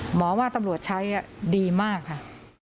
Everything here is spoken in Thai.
หมอว่าตำรวจใช้ดีมากค่ะ